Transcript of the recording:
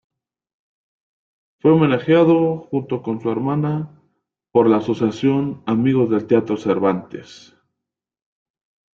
Fue homenajeado, junto con su hermana, por la Asociación Amigos del Teatro Cervantes.